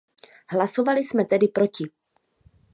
Hlasovali jsme tedy proti.